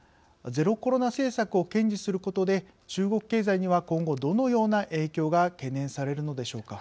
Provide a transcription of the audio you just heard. ゼロコロナ政策を堅持することで中国経済には今後、どのような影響が懸念されるのでしょうか。